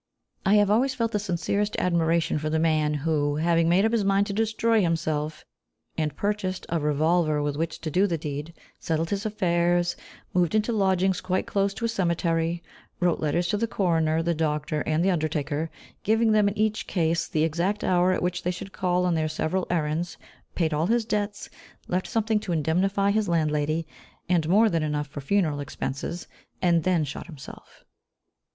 I have always felt the sincerest admiration for the man who, having made up his mind to destroy himself, and purchased a revolver with which to do the deed, settled his affairs, moved into lodgings quite close to a cemetery, wrote letters to the coroner, the doctor, and the undertaker, giving them in each case the exact hour at which they should call on their several errands, paid all his debts, left something to indemnify his landlady, and more than enough for funeral expenses, and then shot himself.